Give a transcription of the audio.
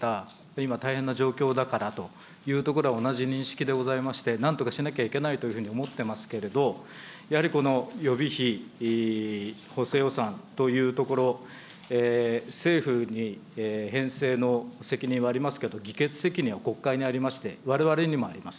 今、大変な状況だからというところは、同じ認識でございまして、なんとかしなきゃいけないというふうに思ってますけれど、やはりこの予備費、補正予算というところ、政府に編成の責任はありますけど、議決責任は国会にありまして、われわれにもあります。